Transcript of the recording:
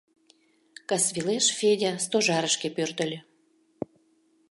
Касвелеш Федя Стожарышке пӧртыльӧ.